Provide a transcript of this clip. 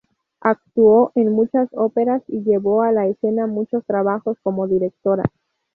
Actuó en muchas óperas y llevó a la escena muchos trabajos como directora.